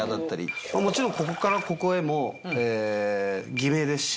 もちろんここからここへも偽名ですし。